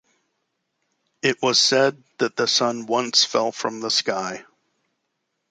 It was said that the sun once fell from the sky.